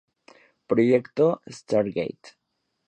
Proyecto Stargate